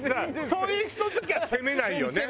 そういう人の時は責めないよね。